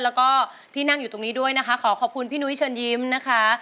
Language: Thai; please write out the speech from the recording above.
แล้วก็ที่นั่งอยู่ตรงนี้ด้วยนะคะขอขอบคุณพี่นุ้ยเชิญยิ้มนะคะ